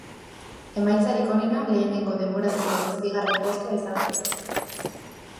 Emaitzarik onena lehenengo denboraldiko zazpigarren postua izan zuen.